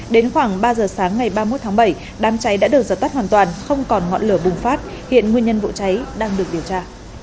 đến khoảng ba giờ sáng ngày ba mươi một tháng bảy đám cháy đã được dập tắt hoàn toàn không còn ngọn lửa bùng phát hiện nguyên nhân vụ cháy đang được điều tra